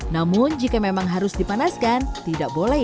namun jika memang harus dipanaskan tidak boleh